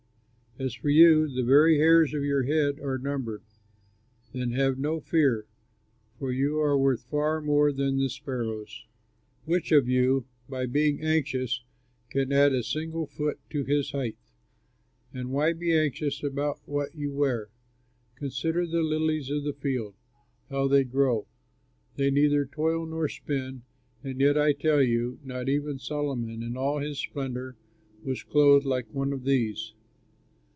As for you, the very hairs of your head are numbered. Then have no fear, for you are worth far more than the sparrows. "Which of you by being anxious can add a single foot to his height? And why be anxious about what you wear? Consider the lilies of the field, how they grow! They neither toil nor spin, and yet I tell you, not even Solomon in all his splendor was clothed like one of these.